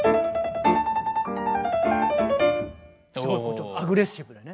すごいちょっとアグレッシブなね。